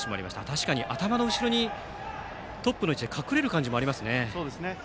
確かに、頭の後ろにトップの位置が隠れる感じもありますね。